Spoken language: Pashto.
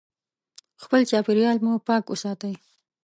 خپل چاپیریال مو پاک وساتئ.